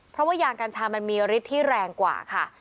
เพราะว่ายางกัญชามันมีฤทธิ์ที่แรงกว่าค่ะ